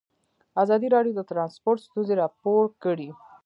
ازادي راډیو د ترانسپورټ ستونزې راپور کړي.